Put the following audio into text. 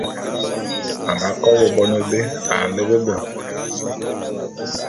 A nga kobô bone bé a lepe be.